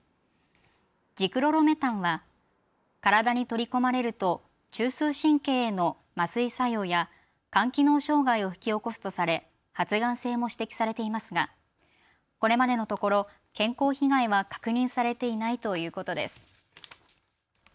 ジクロロメタンは体に取り込まれると中枢神経への麻酔作用や肝機能障害を引き起こすとされ発がん性も指摘されていますがこれまでのところ健康被害は確認されていないということです。